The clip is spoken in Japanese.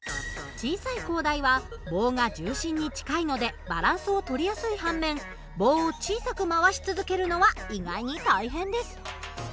小さい高台は棒が重心に近いのでバランスを取りやすい反面棒を小さく回し続けるのは意外に大変です。